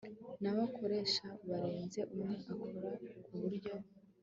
n abakoresha barenze umwe akora ku buryo